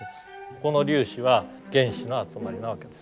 この粒子は原子の集まりなわけです。